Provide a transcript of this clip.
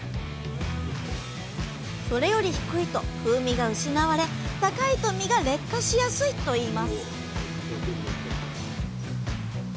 それより低いと風味が失われ高いと実が劣化しやすいといいます